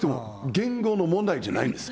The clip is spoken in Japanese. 言語の問題じゃないんです。